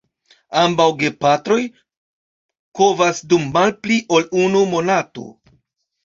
Ambaŭ gepatroj kovas dum malpli ol unu monato.